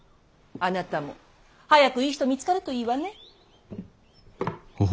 あなたも早くいい人見つかるといいわね。